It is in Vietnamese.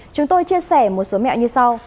chúng tôi chia sẻ một số mẹo như sau